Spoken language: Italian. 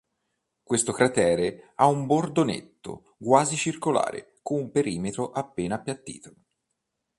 Questo cratere ha un bordo netto, quasi circolare, con un perimetro appena appiattito.